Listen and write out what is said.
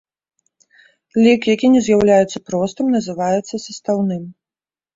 Лік, які не з'яўляецца простым, называецца састаўным.